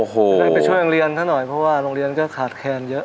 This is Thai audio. ได้ไปช่วยโรงเรียนซะหน่อยเพราะว่าโรงเรียนก็ขาดแคลนเยอะ